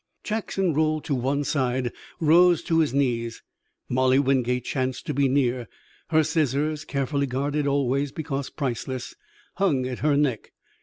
Jackson rolled to one side, rose to his knees. Molly Wingate chanced to be near. Her scissors, carefully guarded always, because priceless, hung at her neck.